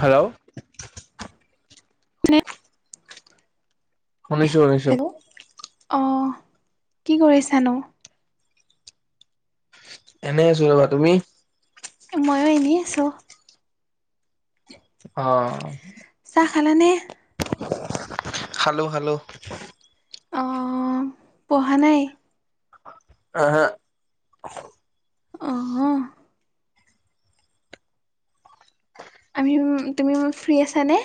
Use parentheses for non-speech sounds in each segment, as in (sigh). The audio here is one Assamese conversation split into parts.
হেল্ল'? (unintelligible) শুনিছোঁ-শুনিছোঁ। হেল্ল' অ', কি কৰিছানো? এনেই আছোঁ ৰ'বা, তুমি? ময়ো এনেই আছোঁ। অ (unintelligible) অ'। চাহ খালা নে? খালোঁ-খালোঁ। অ', পঢ়া নাই? আ হা। অ'। উম, তুমি মো ফ্ৰী আছানে?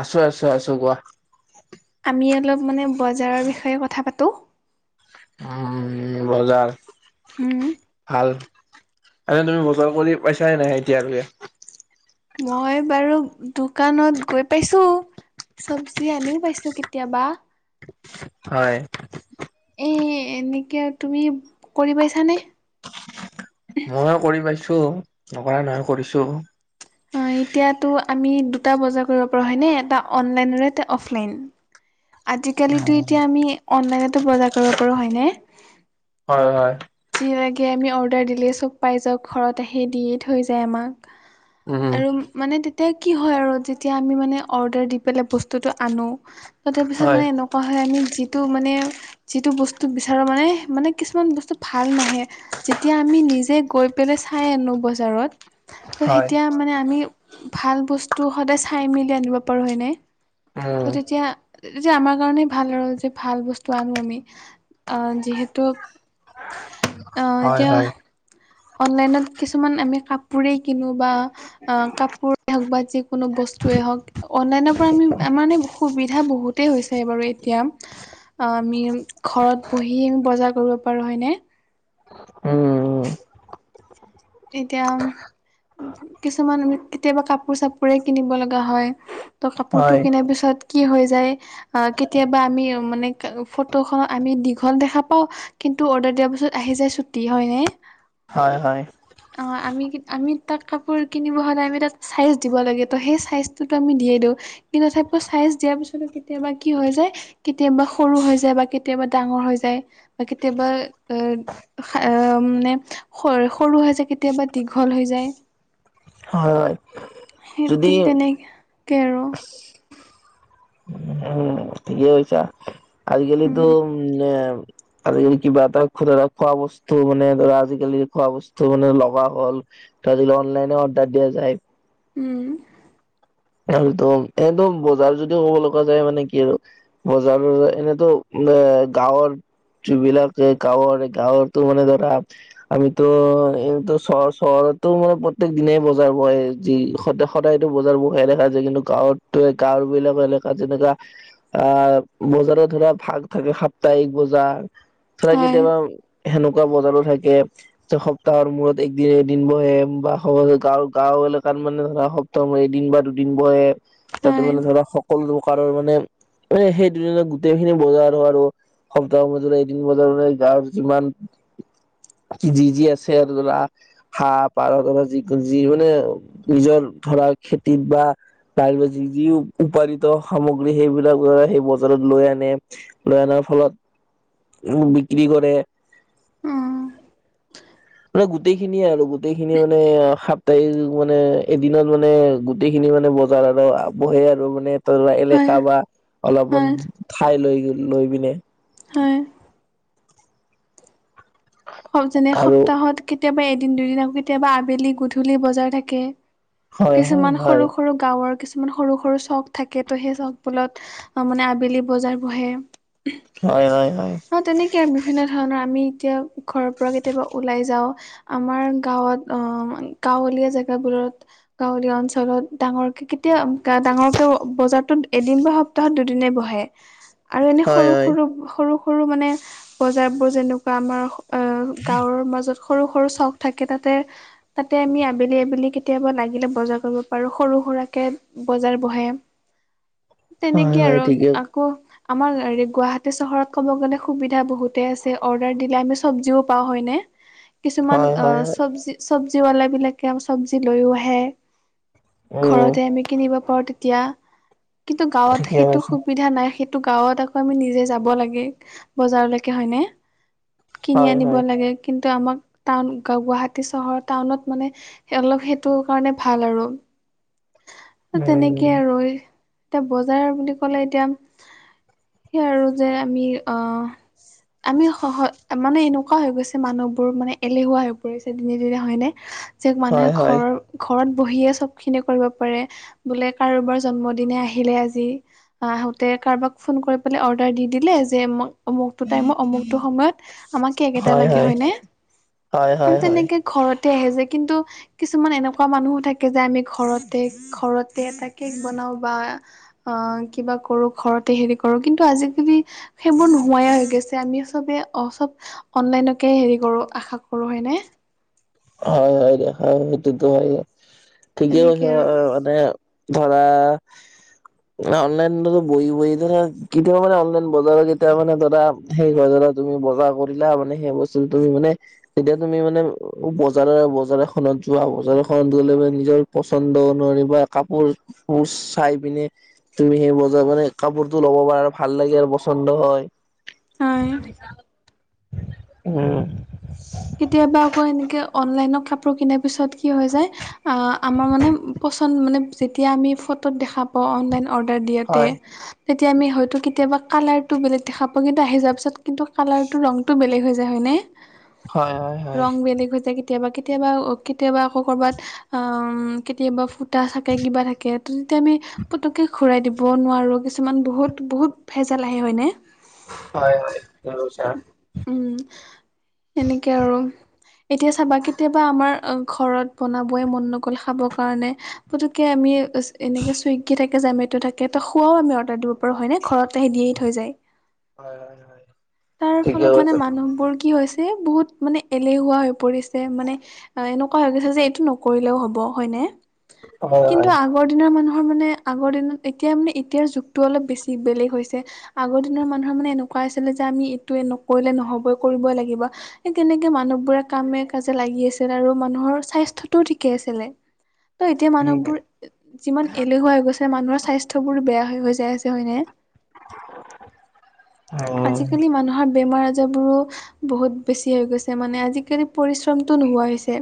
আছোঁ-আছোঁ-আছোঁ, কোৱা। আমি অলপ মানে বজাৰৰ বিষয়ে কথা পাতোঁ। উম, বজাৰ? উম ভাল। এনে তুমি বজাৰ কৰি পাইছা নে নাই এতিয়ালৈকে? মই বাৰু দোকানত গৈ পাইছো চবজি আনিও পাইছো কেতিয়াবা হয়। এ এনেকে আৰু তুমি কৰি পাইছানে? ময়ো কৰি পাইছো নকৰা নহয় কৰিছো অ এতিয়াতো আমি দুটা বজাৰ কৰিব পাৰো হয়নে এটা অনলাইন এটা অফলাইন আজিকালিতো উম এতিয়া আমি অনলাইনতো বজাৰ কৰিব পাৰো হয়নে হয় হয় যি লাগে আমি অৰ্ডাৰ দিলেই চব পাই যাওঁ ঘৰত আহি দিয়েই থৈ যায় আমাক। উম আৰু মানে তে তিয়া কি হয় আৰু যেতিয়া আমি মানে অৰ্ডাৰ দি পেলাই বস্তুটো আনো তাতে পিছত হয় হয় মানে এন কোৱা হয় আমি যিটো মানে যিটো বস্তু বিচাৰো মানে মানে কিছুমান বস্তু ভাল নাহে যেতিয়া আমি নিজে গৈ পেলাই চাই আনো বজাৰত ত' তেতিয়া মানে আমি ভাল বস্তু সদায় চাই মেলি আনিব পাৰো হয় নে অ উম তেতিয়া যে আমাৰ কাৰণেই ভাল আৰু যে ভাল বস্তু আনো আমি আহ যিহেতু আহ হয় এতিয়া হয় অনলাইনত কিছুমান আমি কাপোৰেই কিনো বা অ কাপোৰে হওক বা যিকোনো বস্তুৱে হওক অনলাইনৰ পৰা আমি মানে সুবিধা বহুতেই হৈছে বাৰু এতিয়া অ আমি ঘৰত বহি আমি বজাৰ কৰিব পাৰো হয়নে উম উম এতিয়া কিছুমান আমি কেতিয়াবা কাপোৰ চাপোৰে কিনিব লগা হয় ত কাপোৰতো হয় কিনাৰ পিছত কি হৈ যায় আহ কেতিয়াবা আমি মানে ফটোখনত আমি দীঘল দেখা পাও কিন্তু অৰ্ডাৰ দিয়াৰ পাছত আহি যায় ছুটি হয়নে হয় হয় অ আমি কি আমি তাক কাপোৰ কিনিব হ'লে আমি তাত চাইজ দিব লাগে তো সেই চাইজটোতো আমি দিয়েই দিও কি তথাপিও চাইজ দিয়াৰ পিছতো কেতিয়াবা কি হৈ যায় কেতিয়াবা সৰু হৈ যায় বা কেতিয়াবা ডাঙৰ হৈ যায় বা কেতিয়াবা এ এ মানে স সৰু হৈ যায় কেতিয়াবা দীঘল হৈ যায় হয় হয় সেই যদি ঠিক তেনেক কে আৰু উম ঠিকেই কৈছা আজি কালিতো উম উ নে আজিকালি কিবা এটা ধৰা খোৱা বস্তু মানে ধৰা আজিকালি খোৱা বস্তু মানে লগা হ'ল ত আজি কালি অনলাইনে অৰ্ডাৰ দিয়া যায় উম আৰু দম এইদম বজাৰ যদিও ক'ব লগা যায় মানে কি আৰু বজাৰ চজাৰ এনেতো নে গাঁৱৰ যিবিলাকে গাঁৱৰ গাঁৱৰতো মানে ধৰা আমিতো এইটো চহৰ চহৰতো মানে প্ৰত্যেক দিনাই বজাৰ বহে যি সদা- সদায়তো বজাৰ বহা দেখা যায় কিন্তু গাঁৱতো গাঁৱৰবিলাক এলেকা যেনেকা আহ বজাৰত ধৰা ভাগ থাকে সাপ্তাহিক বজাৰ ধৰা হয় কেতিয়াবা সেনেকোৱা বজাৰো থাকে সপ্তাহৰ মূৰত এদিন এদিন বহে বা গাওঁ গাওঁ এলেকাত মানে ধৰা সপ্তাহৰ মূৰত এদিন বা দুদিন বহে তাতে হয় মানে ধৰা সকলো প্ৰকাৰৰ মানে মানে সেই দুদিনৰ গোটেইখিনি বজাৰো আৰু সপ্তাহৰ মাজৰে এদিন বজাৰ বহে গাঁৱৰ যিমান যি যি আছে আৰু ধৰা। হাঁহ পাৰ যিমানে যি মানে নিজৰ ধৰা খেতিত বা। তাৰপিছত যি যি উপৎাদিত সামগ্ৰী সেইবিলাকে সেই বজাৰত লৈ আনে। লৈ অনাৰ ফলত উ বিক্ৰী কৰে উম মানে গোটেইখিনিয়ে আৰু গোটেইখিনিয়ে মানে সাপ্তাহিক মানে এদিনত মানে গোটেইখিনি মানে বজাৰতে আৰু বহো আৰু মানে হয় এলেকা বা অলপমান হয় ঠাই লৈ লৈ পিনে হয় যেনে আৰু সপ্তাহত কেতিয়াবা এদিন দুদিন আকৌ কেতিয়াবা আবেলি গধূলি বজাৰ থাকে হয় হয় কিছুমান হয় সৰু সৰু গাওঁৰ কিছুমান সৰু সৰু চখ থাকে তো সেই চখ বুৰত অ মানে আবেলি বজাৰ বহে হয় হয় হয় অ তেনেকে আৰু বিভিন্ন ধৰণৰ আমি এতিয়া ঘৰৰ পৰা কেতিয়াবা ওলাই যাও। আমাৰ গাঁৱত গাঁৱলীয়া জেগাবোৰত। গাঁৱলীয়া অঞ্চলত ডাঙৰকে কেতিয়া ডাঙৰকে বজাৰতোত এদিন বা সপ্তাহত দুদিনে বহে। আৰু এনে হয় সৰু হয় সৰু সৰু সৰু মানে বজাৰ বোৰ যেনেকুৱা আমাৰ। অ গাঁৱৰ মাজত সৰু সৰু চখ থাকে তাতে। তাতে আমি আবেলি আবেলি কেতিয়াবা লাগিলে বজাৰ কৰিব পাৰো সৰু সুৰাকে বজাৰ বহে। হয় তেনেকে হয় আৰু। ঠিকে কহ আমাৰ এই গুৱাহাটী চহৰত ক'ব গ'লে সুবিধা বহুতে আছে অদাৰ দিলে আমি। চবজিও পাওঁ হয় নে কিছুমান হয় অ হয় হয় চবজি। চবজিৱলা বিলাকে চব্জি লৈও আহে উম ঘৰতে আমি। কিনিব পাৰোঁ তেতিয়া কিন্তু গাঁওত ঠিকে সেইটো কৈছে সুবিধা নাই। টো গাঁৱত আকৌ আমি নিজে যাব লাগে বজাৰলৈকে হয়নে। কিনি হয় আনিব হয় লাগে কিন্তু আমাক। টাউন গুৱাহাটী চহৰ টাউনত মানে অলপ সেইটো কাৰণে ভাল আৰু। উম তেনেকেই আৰু এতিয়া বজাৰ বুলি ক'লে এতিয়া। সেই আৰু যে আমি অ আমি সহজ। মানে এনেকুৱা হৈ গৈছে মানুহবোৰ মানে এলেহুৱা হৈ পৰিছে দিনে দিনে হয়নে। যে মানুহে হয় হয় ঘৰৰ ঘৰত বহিয়ে চব খিনি কৰিব পাৰে বোলে কাৰোবাৰ জন্মদিনে আহিলে আজি। আহোতে কাৰোবাক ফোন কৰি পেলাই অৰ্ডাৰ দি দিলে যে অমুকটো টাইমত অমুকটো সময়ত। আমাক কেক এটা লাগে হয় নে হয় হয় হয় তেনেকে ঘৰতে আহে যে কিন্তু। কিছুমান এনেকুৱা মানুহো থাকে যে আমি ঘৰতে ঘৰতে এটা কেক বনাও বা। অ কিবা কৰো ঘৰতে হেৰি কৰো কিন্তু আজিকালি। সেইবোৰ নোহোৱা হৈ গৈছে আমি চবে। অ চব অনলাইনকে হেৰি কৰোঁ আশা কৰোঁ হয়নে। অ হয় হয় দে হয় সেইটো হয় ঠিকেই এনেকে কৈছে আৰু মানে। ধৰা। (inaudible) অনলাইন বহি বহি ধৰা কেতিয়া মানে অনলাইন বজাৰ কেতিয়া মানে ধৰা। সেই কৰিলা তুমি বজাৰ কৰিলা মানে সেই বস্তু তুমি মানে যেতিয়া তুমি মানে। বজাৰ বজাৰ এখনত যোৱা বজাৰখনত গ'লে নিজৰ পচন্দ নোৱাৰি বা কাপোৰ। শুচ চাই পিনে। তুমি সেই বজাৰ মানে কাপোৰতো ল'ব পাৰা ভাল লাগে আৰু পচন্দ হয়। হয় উম। কেতিয়াবা আকৌ এনেকে অনলাইনত কাপোৰ কিনাৰ পিছত কি হৈ যায়। অ আমাৰ মানে পচন্দ মানে যেতিয়া আমি ফটোত দেখা পাওঁ অনলাইন। অৰ্ডাৰ দিয়াতে। হয় তেতিয়া আমি হয়তো‌ কেতিয়াবা কালাৰটো বেলেগ দেখা পাওঁ কিন্তু আহি যোৱাৰ পিছত কিন্তু কালাৰটো ৰংটো বেলেগ হৈ যায় হয়নে। হয় হয়। হয়। ৰং বেলেগ হৈ যায় কেতিয়াবা কেতিয়াবা ও কেতিয়াবা আকৌ কৰ'বাত আ ম কেতিয়াবা ফুটা থাকে কিবা থাকে তেনে আমি। পুতুককে ঘুৰাই দিব নোৱাৰো কিছুমান বহুত বহুত ভেজাল আহে হয়নে। হয় হয় জহুছা। উম। কে আৰুম। এতিয়া চাবা কেতিয়াবা আমাৰ ঘৰত বনাবই মন নগ'ল খাব কাৰণে পুতোক কে আমি এনেকে চুইগে থাকে জমেট থাকে ত খোৱাও আমি অৰ্ডাৰ দিব বাৰো হয় নে ঘৰত আহি দিয়েই থৈ যায়। হয় হয় হয় তাৰ ঠিকে ফলত মানে কৈছা মানুহবোৰ কি হৈছে বহুত মানে এলেহুৱা হৈ পৰিছে মানে এনকুৱা হৈ গৈছে যে এইটো নকৰিলেও হব হয়নে? হয় কিন্তু হয়। আগ- আগৰ দিনৰ মানুহৰ মানে আগৰ দিনত এতিয়া মানে এতিয়াৰ যুগটো অলপ বেছি বেলেগ হৈছে। আগৰ দিনৰ মানুহৰ মানে এনকুৱা আছিলে যে আমি এইটো নকৰিলে নহবই কৰিবই লাগিব। সেই তেনেকে মানুহবোৰে কামে কাজে লাগি আছিল আৰু মানুহৰ স্বাস্থ্যটোও ঠিকে আছিলে। ত এতিয়া মানুহবোৰ যিমান এলেহুৱা হৈ গৈছে মানুহৰ স্বাস্থ্য বোৰ বেয়া হৈ হৈ যায় আছে হয়নে? হয় আজিকালি মানুহৰ বেমাৰ আজাৰবোৰো বহুত বেছি হৈ গৈছে মানে আজিকালি পৰিশ্ৰমতটো নোহোৱা হৈছে।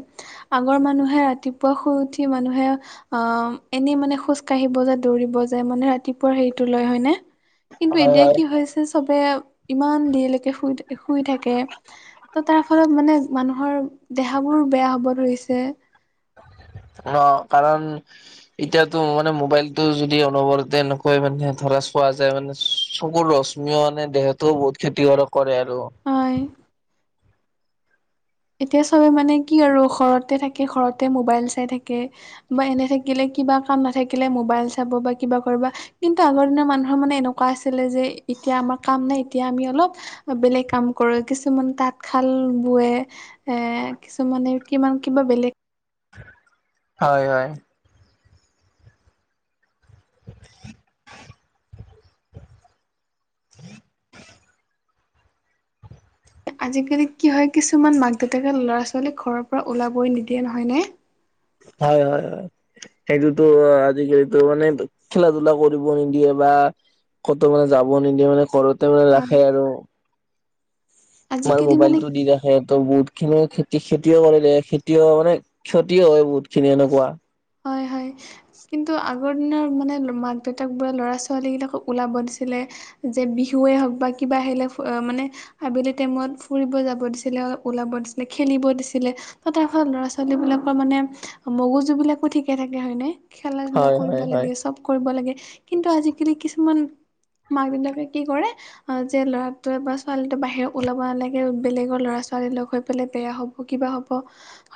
আগৰ মানুহে ৰাতিপুৱা শুই উঠি মানুহে অ এনেই মানে খোজ কাঢ়িব যায়, দৌৰিব যায় মানে ৰাতিপুৱা হেৰিটো লয় হয়নে? কিন্তু হয় এতিয়া হয় কি হৈছে চবে ইমান দেৰিলেকে শুই থ শুই থাকে। তৌ তাৰ ফলত মানে মানুহৰ দেহাবোৰ বেয়া হ'ব ধৰিছে। ঙ কাৰণ এতিয়াতো মানে মোবাইলটো যদি অনবৰতে এনেকৈ মানে ধৰা চোৱা যায় মানে চকুৰ লচ মীয় মানে দেহতোও বহুত খেতি কৰক কৰে আৰু। হয়। এতিয়া চবে মানে কি আৰু ঘৰতে থাকে ঘৰতে মোবাইল চাই থাকে। বা এনে থাকিলে কিবা কাম নাথাকিলে মোবাইল চাব বা কিবা কৰবাহ কিন্তু আগৰ দিনৰ মানুহৰ মানে এনেকুৱা আছিলে যে এতিয়া আমাৰ কাম নাই এতিয়া আমি অলপ বা বেলেগ কাম কৰে কিছুমান তাঁতশাল বোৱে। এ কিছুমানে কিমান কিবা বেলেগ হয় হয়। (unintelligible) আজিকালি কি হয় কিছুমান মাক দেউতাকে ল'ৰা ছোৱালীক ঘৰৰ পৰা ওলাবই নিদিয়ে নহয় নে? হয় হয় হয় সেইটোতো আজিকালিতো মানেটো খেলা ধোলা কৰিব নিদিয়ে বা ক'তো মানে যাব নিদিয়ে মানে ঘৰতে মানে হয়, ৰাখে আৰু। তোমাৰ আজিকালি মানে মোবাইলটো দি ৰাখ- সেইতো বহুত খিনি খেতি খেতিয়ও কৰিলে খেতিয়ও মানে ক্ষতিও হয় বহুত খিনি এনকুৱা। হয় হয়। কিন্তু আগৰ দিনৰ মানে মাক দেউতাক বোৰে ল'ৰা ছোৱালীগিলাকক ওলাব দিছিলে। যে বিহুৱে হওক বা কিবা আহিলে ফ মানে আবেলি টাইমত ফুৰিব যাব দিছিলে, ওলাব দিছিলে, খেলিব দিছিলে। বা তাফত ল'ৰা ছোৱালী বিলাকৰ মানে মগজু বিলাক সঠিকে থাকে হয়নে খেলা ধূলা হয় কৰিব হয় হয়। লাগে চব কৰিব লাগে কিন্তু আজিকালি কিছুমান মাক দেউতাকে কি কৰে অ যে ল'ৰাটোৱে বা ছোৱালীটোৱে বাহিৰ ওলাব নালাগে, বেলেগৰ ল'ৰা-ছোৱালী লগ হৈ পেলাই বেয়া হ'ব। কিবা হ'ব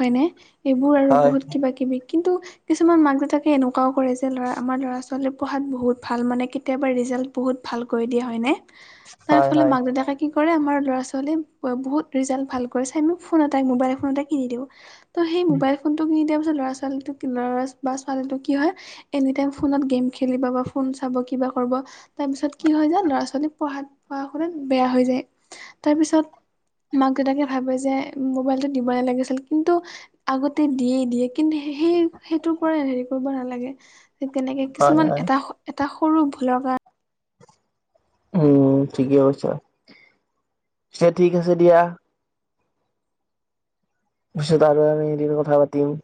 হয়নে, এইবোৰ আৰু হয় বহুত কিবা কিবি কিন্তু কিছুমান মাক দেউতাকে এনেকুৱাও কৰে যে, ল'ৰা আমাৰ ল'ৰা-ছোৱালী পঢ়াত বহুত ভাল মানে কেতিয়াবা ৰিজাল্ট বহুত ভাল কৰি দিয়ে হয়নে, তাৰ হয় ফলত হয়। মাক দেউতাকে- কি কৰে আমাৰ ল'ৰা-ছোৱালীয়ে বহুত ৰিজাল্ট ভাল কৰিছে, আমি ফোন এটা মোবাইল ফোন এটাই কিনি দিওঁ। তো সেই মোবাইল ফোনটো কিনি দিয়াৰ পিছত ল'ৰা ছোৱালীটোক কিনা বা ছোৱালীটোক কি হয় এনি টাইম ফোনত গেম খেলিব বা ফোন চাব কিবা কৰব তাপিছত কি হৈ যায় ল'ৰা ছোৱালী পঢ়াত পঢ়া শুনাত বেয়া হৈ যায়। তাৰপিছত মাক দেউতাকে ভাবে যে মোবাইলটো দিব নেলাগিছিল কিন্তু আগতে দিয়ে দিয়ে কিন্তু সেই সেইটোৰ পৰাই হেৰি কৰিব নালাগে কেনেকে হয় কিছুমান হয়। এটা হ এটা সৰু ভোলৰ কাৰ উম ঠিকে কৈছা ছে ঠিক আছে দিয়া। পিছত আৰু আমি এদিন কথা পাতিম।